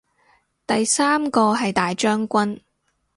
第三個係大將軍